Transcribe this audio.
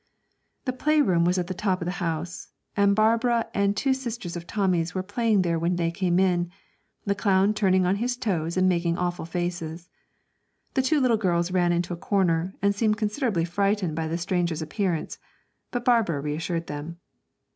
The play room was at the top of the house, and Barbara and two little sisters of Tommy's were playing there when they came in, the clown turning in his toes and making awful faces. The two little girls ran into a corner, and seemed considerably frightened by the stranger's appearance, but Barbara reassured them.